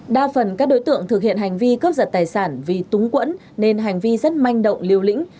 đa phần các đối tượng thực hiện hành vi cướp giật tài sản vì túng quẫn nên hành vi rất manh động liều lĩnh